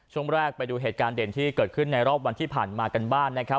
ช่วงแรกไปดูเหตุการณ์เด่นที่เกิดขึ้นในรอบวันที่ผ่านมากันบ้างนะครับ